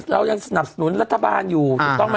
เรายังสนับสนุนรัฐบาลอยู่